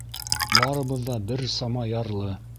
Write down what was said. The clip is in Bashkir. Барыбыҙ ҙа бер сама ярлы.